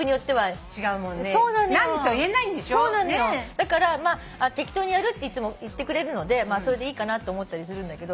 だから適当にやるっていつも言ってくれるのでそれでいいかなと思ったりするんだけど。